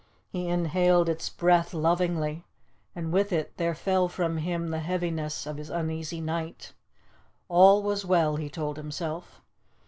He inhaled its breath lovingly, and with it there fell from him the heaviness of his uneasy night. All was well, he told himself.